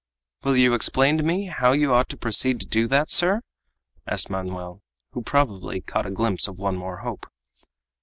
"Will you explain to me how you ought to proceed to do that, sir?" asked Manoel, who probably caught a glimpse of one more hope.